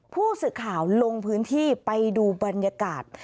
ผู้สื่อข่าวลงพื้นที่ไปดูบรรยากาศ